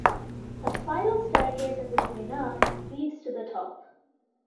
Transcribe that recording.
A spiral staircase in this "minar" leads to the top.